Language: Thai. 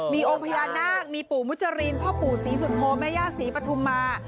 มีองค์พญานาคมีปู่มุจรินพ่อปู่ศรีสุโธแม่ย่าศรีปฐุมมา